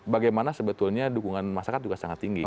bagaimana sebetulnya dukungan masyarakat juga sangat tinggi